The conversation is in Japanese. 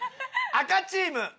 赤チーム。